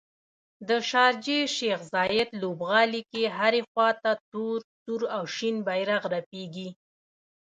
د شارجې شیخ ذاید لوبغالي کې هرې خواته تور، سور او شین بیرغ رپیږي